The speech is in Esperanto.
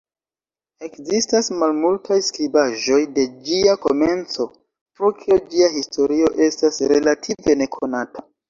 Ekzistas malmultaj skribaĵoj de ĝia komenco, pro kio ĝia historio estas relative nekonata.